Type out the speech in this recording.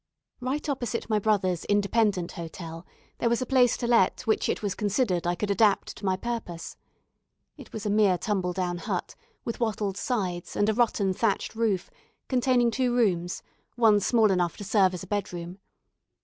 Right opposite my brother's Independent Hotel there was a place to let which it was considered I could adapt to my purpose. It was a mere tumble down hut, with wattled sides, and a rotten thatched roof, containing two rooms, one small enough to serve as a bedroom.